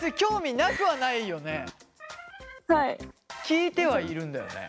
聞いてはいるんだよね。